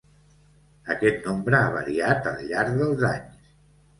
Aquest nombre ha variat al llarg dels anys.